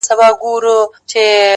خپل مخ واړوې بل خواتــــه ـ